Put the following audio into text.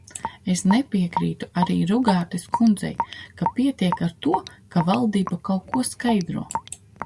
Es nepiekrītu arī Rugātes kundzei, ka pietiek ar to, ka valdība kaut ko skaidro.